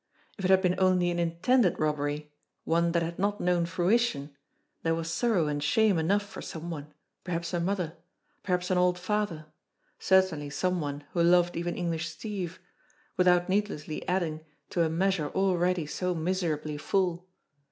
If it had been only an intended robbery, one that had not known fruition, there was sorrow and shame enough for some one perhaps a mother ; perhaps an old father; certainly some one who loved even English Steve without needlessly adding to a measure already so 178 JIMMIE DALE AND THE PHANTOM CLUE miserably full.